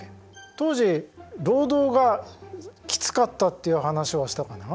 当時労働がきつかったっていう話はしたかな？